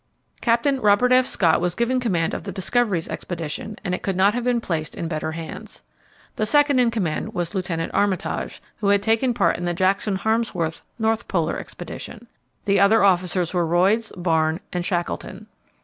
Captain Robert F. Scott was given command of the Discovery's expedition, and it could not have been placed in better hands. The second in command was Lieutenant Armitage, who had taken part in the Jackson Harmsworth North Polar expedition. The other officers were Royds, Barne, and Shackleton.